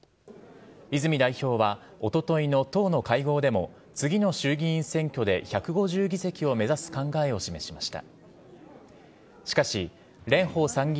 泉代表はおとといの党の会合でも次の衆院議員選挙で１５０議席を目指す考えを示しました。